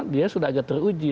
dia sudah agak teruji